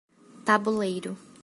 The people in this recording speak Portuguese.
Tabuleiro